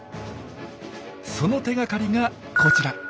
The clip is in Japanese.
その手がかりがこちら。